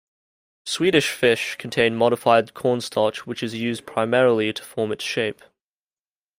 Swedish Fish contain modified cornstarch which is used primarily to form its shape.